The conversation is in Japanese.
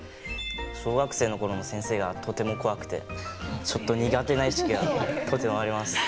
小学生の頃の先生がとても怖くてちょっと苦手な意識がとてもあります。